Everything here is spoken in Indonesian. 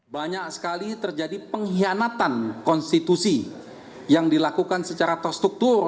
banyak sekali terjadi pengkhianatan konstitusi yang dilakukan secara terstruktur